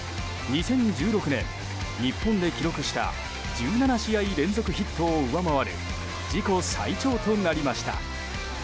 ２０１６年日本で記録した１７試合連続ヒットを上回る自己最長となりました。